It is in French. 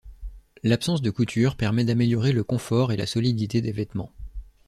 L’absence de coutures permet d’améliorer le confort et la solidité des vêtements.